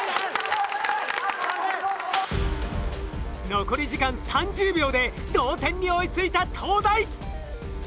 残り時間３０秒で同点に追いついた東大。